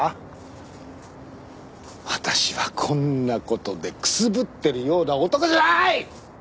私はこんなことでくすぶってるような男じゃない！